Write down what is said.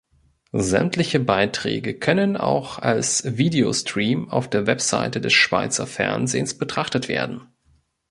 Sämtliche Beiträge können auch als Videostream auf der Website des Schweizer Fernsehens betrachtet werden.